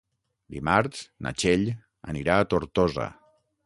Dimarts na Txell anirà a Tortosa.